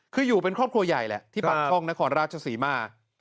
คืออยู่เป็นครอบครัวใหญ่แหละที่ปากช่องนครราชศรีมา